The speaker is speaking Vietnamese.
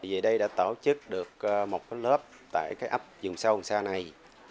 về đây đã tổ chức được một cái lớp tại cái ấp vùng sâu xa này